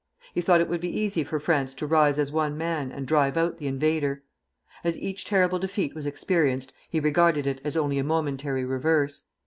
He thought it would be easy for France to rise as one man and drive out the invader. As each terrible defeat was experienced, he regarded it as only a momentary reverse.